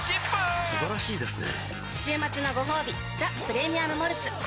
素晴らしいですね